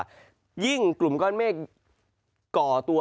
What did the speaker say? สูงก้อนเมฆก่อตัว